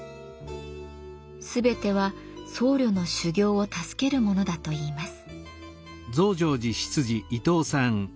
全ては僧侶の修行を助けるものだといいます。